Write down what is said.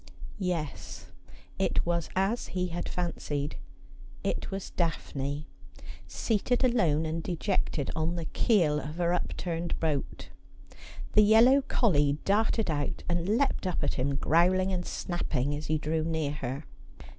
Yes ; it was as he had fancied. It was Daphne, seated alone and dejected on the keel of her upturned boat. The yellow collie darted out and leapt up at him, growling and snapping, as he drew near her.